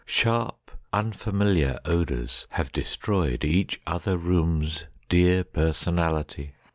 —Sharp, unfamiliar odors have destroyedEach other room's dear personality.